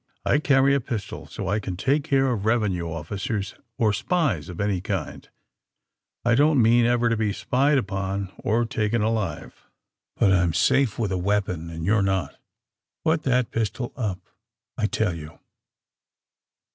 ''I carry a pistol so I can take care of revenue officers or si3ies of any kind. I don't mean ever to be spied upon or taken alive. 84 THE SUBMAEINE BOYS But I'm safe witli a weapon, and you're not. Put that pistol up, I tell you."